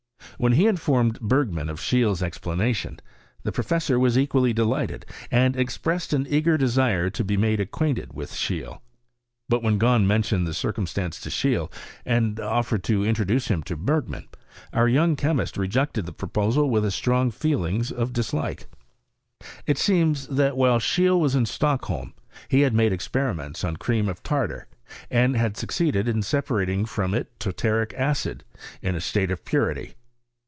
When he in formed Bergman of Scheele's explanation, the proJ fessor was equally delighted, and expressed an eager desire to be made acquainted witn Seheele 9 but when Gahn mentioned the circumstance tO' Seheele, and offered to introduce him to Ber^any our young chemist rejected the proposal with stroi^ feelings of dislike. It seems, that while Seheele was in Stockholm, I had made experiments on cream of tartar, and had. succeeded in separating from it tartaric acid, in a state of purity.